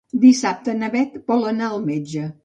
Dissabte na Bet vol anar al metge.